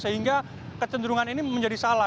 sehingga kecenderungan ini menjadi salah